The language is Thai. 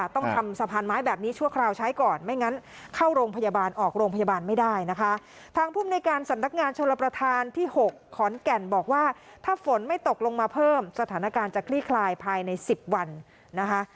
ทางภูมิในการสนักงานชนประธานที่หกขอนแก่นบอกว่าถ้าฝนไม่ตกลงมาเพิ่มสถานการณ์จะคลี่คลายภายในสิบวันนะคะ